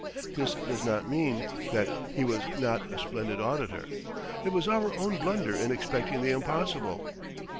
This does not mean that he was not a splendid auditor. It was our own blunder in expecting the impossible.